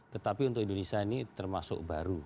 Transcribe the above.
tetapi untuk indonesia ini termasuk baru